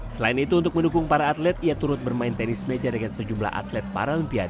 selain itu untuk mendukung para atlet ia turut bermain tenis meja dengan sejumlah atlet paralimpiade